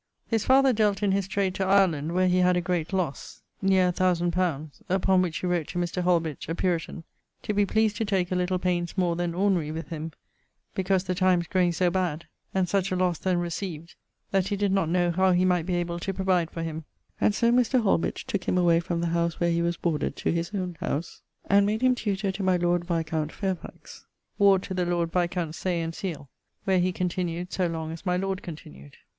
His father dealt in his trade to Ireland where he had a great losse, neer 1000 li.; upon which he wrote to Mr. Holbitch, a Puritan, to be pleased to take a little paines more than ordinary with him, because the times growing so bad, and such a losse then received, that he did not knowe how he might be able to provide for him, and so Mr. Holbitch tooke him away from the howse where he was boarded to his owne howse, and made him tutor to my lord viscount Fairfax, ward to the lord viscount Say and Seale, where he continued so long as my lord continued.